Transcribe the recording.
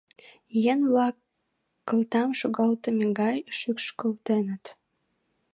Еҥ-влак кылтам шогалтыме гай шӱшкылтыныт.